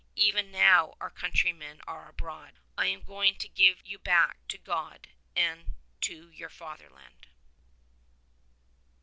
"Even now our countrymen are abroad. I am going to give you back to God and to your Fatherland.".